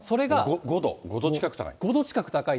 ５度、５度近く高い。